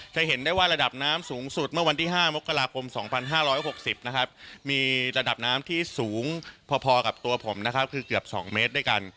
จะเห็นได้ว่าระดับน้ำสูงสุดเมื่อวันที่๕มกราคม๒๕๖๐นะครับมีระดับน้ำที่สูงพอกับตัวผมนะครับคือเกือบ๒เมตรด้วยกัน